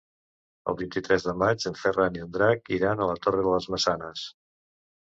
El vint-i-tres de maig en Ferran i en Drac iran a la Torre de les Maçanes.